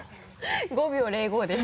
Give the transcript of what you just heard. ５秒０５です。